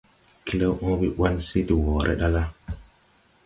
Klew oobe ɓɔn se de wɔɔre ɗa la,